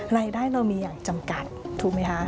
รายได้เรามีอย่างจำกัดถูกไหมคะ